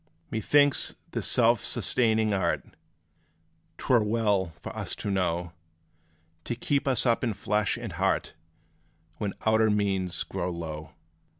Methinks this self sustaining art 'T were well for us to know, To keep us up in flesh and heart, When outer means grow low.